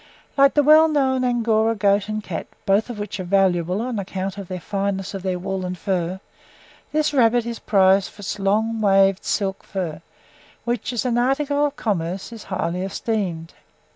Like the well known Angora goat and cat, both of which are valuable on account of the fineness of their wool and fur, this rabbit is prized for its long, waved, silky fur, which, as an article of commerce is highly esteemed.